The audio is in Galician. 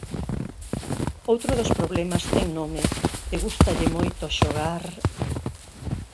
Outro dos problemas ten nome e gústalle moito xogar...